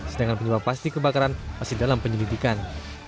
sedangkan penyebab pasti kebakaran masih dalam penyelidikan